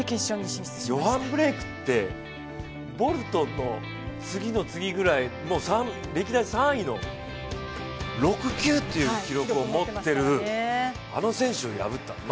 ヨハン・ブレイクってボルトと次の次ぐらい歴代３位の、６９という記録を持っている、あの選手を破った。